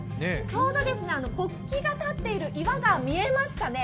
ちょうど国旗が立っている岩が見えますかね？